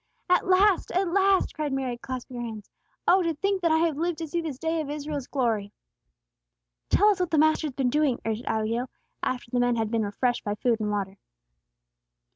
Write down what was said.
"At last, at last!" cried Mary, clasping her hands. "Oh, to think that I have lived to see this day of Israel's glory!" "Tell us what the Master has been doing," urged Abigail, after the men had been refreshed by food and water.